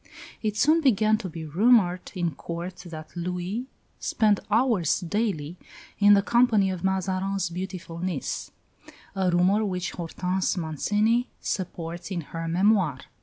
It soon began to be rumoured in Court that Louis spent hours daily in the company of Mazarin's beautiful niece; a rumour which Hortense Mancini supports in her "Memoirs."